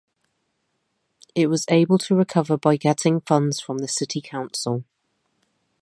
It was able to recover by getting funds from the city council.